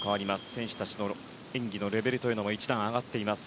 選手たちの演技のレベルも一段上がっています。